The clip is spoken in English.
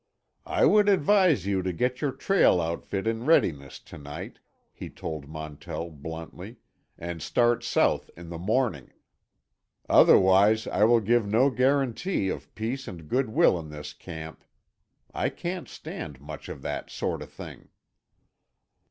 "I would advise you to get your trail outfit in readiness to night," he told Montell bluntly, "and start south in the morning. Otherwise I will give no guarantee of peace and good will in this camp. I can't stand much of that sort of thing."